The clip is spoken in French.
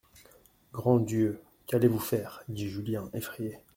Grand Dieu ! qu'allez-vous faire ? dit Julien effrayé.